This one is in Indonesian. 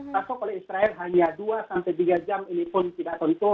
masuk oleh israel hanya dua sampai tiga jam ini pun tidak tentu